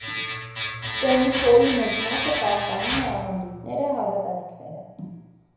Սենուֆոյի մեծ մասը պահպանում է ավանդույթները, հավատալիքները։